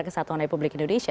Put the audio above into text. kesatuan republik indonesia